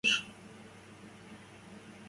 Вӹцкӹж юкшым лӱктӓ кӱш.